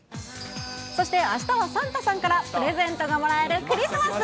そしてあしたはサンタさんからプレゼントがもらえるクリスマス。